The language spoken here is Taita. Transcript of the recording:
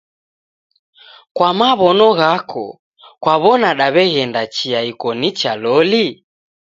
Kwa maw'ono ghako kwaw'ona daw'eghenda chia iko nicha loli?